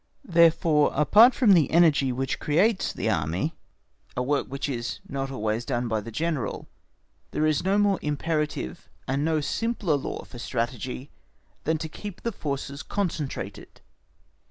Therefore, apart from the energy which creates the Army, a work which is not always done by the General, there is no more imperative and no simpler law for Strategy than to keep the forces concentrated.